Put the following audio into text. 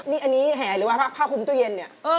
นี่อันนี้แห่หรือว่าผ้าคุมตู้เย็นเนี่ย